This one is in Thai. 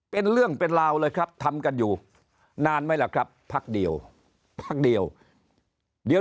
เป็นเรื่องเป็นราวเลยครับทำกันอยู่นานไหมล่ะครับพักเดียว